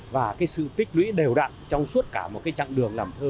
và cái sự tích lũy đều đặn trong suốt cả một cái chặng đường làm thơ này